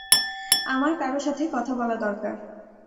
আমার কারো সাথে কথা বলা দরকার!